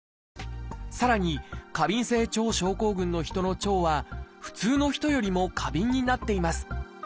さらに過敏性腸症候群の人の腸は普通の人よりも過敏になっています。